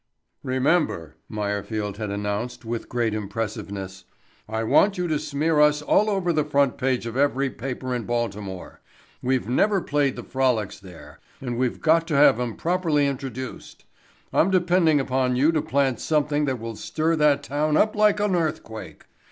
"Remember," Meyerfield had announced with great impressiveness, "I want you to smear us all over the front page of every paper in Baltimore. We've never played the 'Frolics' there and we've got to have 'em properly introduced. I'm depending upon you to plant something that will stir that town up like an earthquake.